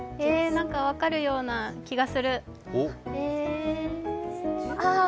なんか分かるような気がする。